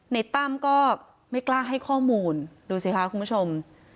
ตั้มก็ไม่กล้าให้ข้อมูลดูสิคะคุณผู้ชม